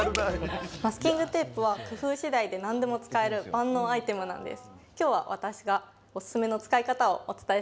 マスキングテープは工夫次第で何でも使える万能アイテムなんです。